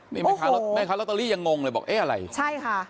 นี่แม่ค้าล็อตเตอรี่ยังงงเลยบอกเอ๊ะอะไรโอ้โฮใช่ค่ะ